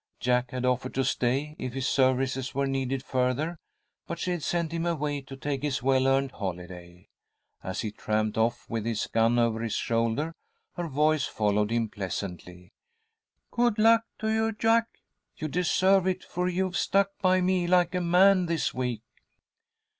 Jack had offered to stay if his services were needed further, but she had sent him away to take his well earned holiday. As he tramped off with his gun over his shoulder, her voice followed him pleasantly: "Good luck to you, Jack. You deserve it, for you've stuck by me like a man this week."